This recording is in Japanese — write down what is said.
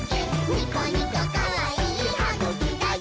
ニコニコかわいいはぐきだよ！」